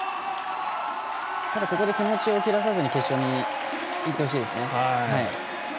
ここで気持ちを切らさずに決勝いってほしいですね。